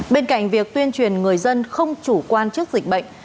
bên cạnh việc tuyên truyền người dân không chủ quan trước dịch bệnh